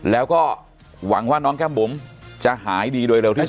แล้วก็หวังว่าน้องแก้มบุ๋มจะหายดีโดยเร็วที่สุด